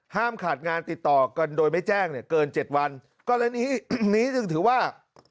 ห้ามขาดงานติดต่อกันโดยไม่แจ้งเกิน๗วันกรณีนี้ถือว่า